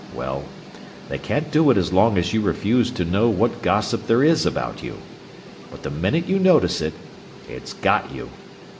Well, they can't do it as long as you refuse to know what gossip there is about you. But the minute you notice it, it's got you!